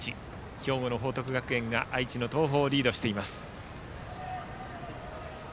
兵庫の報徳学園が愛知の東邦をリードしています。